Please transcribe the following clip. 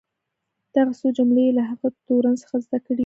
دغه څو جملې یې له هغه تورن څخه زده کړې وې.